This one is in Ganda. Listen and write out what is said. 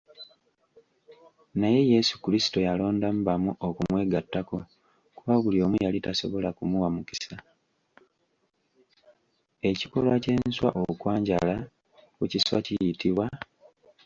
Ekikolwa ky'enswa okwanjala ku kiswa kiyitibwa?